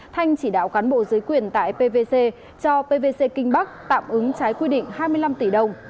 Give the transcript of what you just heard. thanh chỉ đạo cán bộ dưới quyền tại pvc cho pvc kinh bắc tạm ứng trái quy định hai mươi năm tỷ đồng